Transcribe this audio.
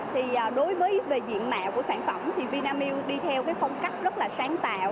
thì đối với về diện mạo của sản phẩm thì vinamilk đi theo cái phong cách rất là sáng tạo